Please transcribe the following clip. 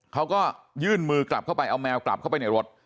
เขาก็ยื่นมือกลับเข้าไปเอาแมวกลับเข้าไปในรถ